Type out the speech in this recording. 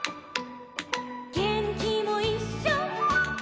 「げんきもいっしょ」